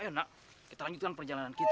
ayo nak kita lanjutkan perjalanan kita